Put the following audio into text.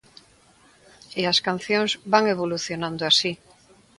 E as cancións van evolucionando así.